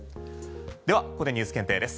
では、ここでＮＥＷＳ検定です。